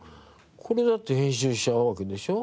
これだって編集しちゃうわけでしょ？